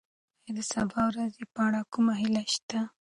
ایا د سبا ورځې په اړه کومه هیله شته؟